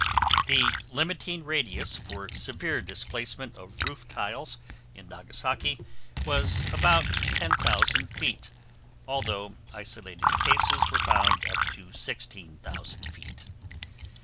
The limiting radius for severe displacement of roof tiles in Nagasaki was about 10,000 feet although isolated cases were found up to 16,000 feet.